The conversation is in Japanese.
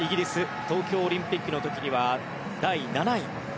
東京オリンピックの時には第７位。